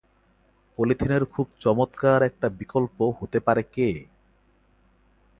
পলিথিনের খুব চমৎকার একটা বিকল্প হতে পারে কে?